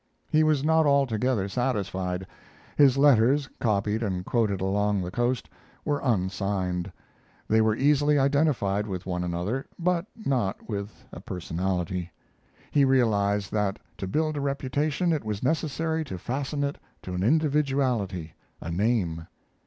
He was not altogether satisfied. His letters, copied and quoted all along the Coast, were unsigned. They were easily identified with one another, but not with a personality. He realized that to build a reputation it was necessary to fasten it to an individuality, a name.